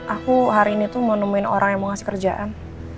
aku hari ini tuh menemuin orang yang mau ngasih kerjaan